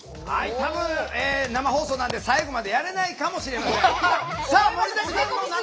たぶん生放送なので最後までやれないかもしれません。